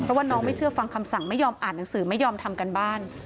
เพราะว่าน้องไม่เชื่อฟังคำสั่งไม่ยอมอ่านหนังสือไม่ยอมทำการบ้าน